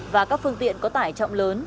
và các phương tiện có tải trọng lớn